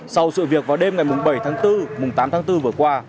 sau sự việc vào đêm ngày bảy tháng bốn tám tháng bốn vừa qua